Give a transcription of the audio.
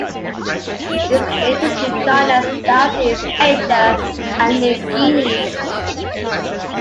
It is native to China, Southeast Asia and New Guinea.